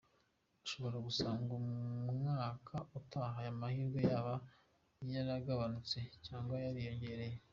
Ushobora gusanga umwaka utaha aya mahirwe yaba yaragabanutse cyangwa yariyongereye.